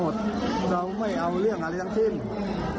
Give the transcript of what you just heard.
เจ้ากระถิ่นก็เดินตามแล้วก็รีบหนี